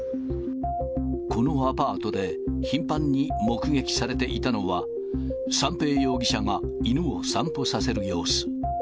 このアパートで頻繁に目撃されていたのは、三瓶容疑者が犬を散歩させる様子。